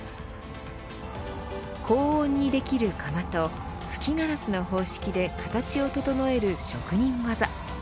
高温にできる窯と吹きガラスの方式で形を整える職人技。